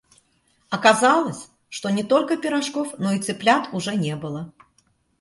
Оказалось, что не только пирожков, но и цыплят уже не было.